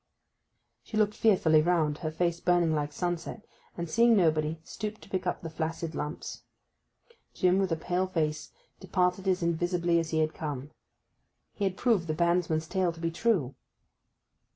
She looked fearfully round, her face burning like sunset, and, seeing nobody, stooped to pick up the flaccid lumps. Jim, with a pale face, departed as invisibly as he had come. He had proved the bandsman's tale to be true.